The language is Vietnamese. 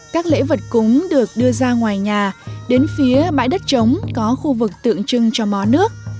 các lễ vật cúng được đưa ra ngoài nhà đến phía bãi đất trống có khu vực tượng trưng cho mó nước